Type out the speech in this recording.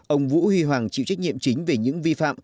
ông vũ huy hoàng chịu trách nhiệm chính về những vi phạm